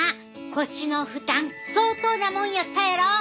腰の負担相当なもんやったやろ。